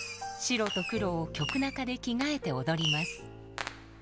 白と黒を曲中で着替えて踊ります。